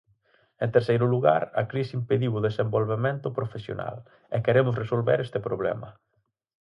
En terceiro lugar, a crise impediu o desenvolvemento profesional, e queremos resolver este problema.